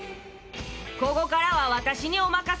ここからは私にお任せください！